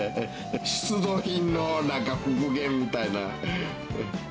出土品のなんか復元みたいな。